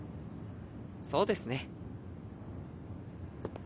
そうですね。